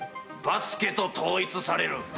バスケと統一される。